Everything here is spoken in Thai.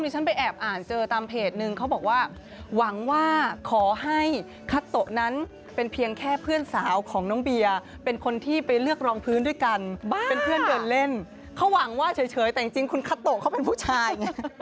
มีคนนะคะความหวังว่าเฉยแต่เอาจริงคุณคัตโตะเป็นผู้ชาย